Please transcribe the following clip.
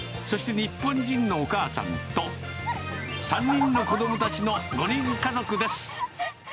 そして日本人のお母さんと３人の子どもたちの５人家族です。